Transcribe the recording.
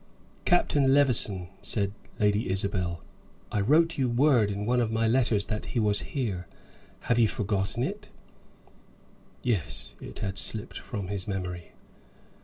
"Captain Levison," said Lady Isabel. "I wrote you word in one of my letters that he was here. Have you forgotten it?" Yes, it had slipped from his memory.